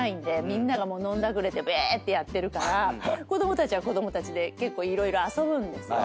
みんなが飲んだくれてべーってやってるから子供たちは子供たちで結構色々遊ぶんですよ。